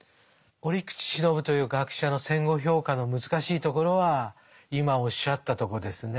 折口信夫という学者の戦後評価の難しいところは今おっしゃったとこですね。